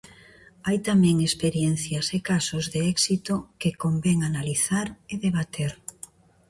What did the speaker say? Hai tamén experiencias e casos de éxito que convén analizar e debater.